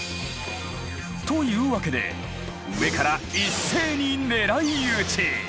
というわけで上から一斉に狙いうち！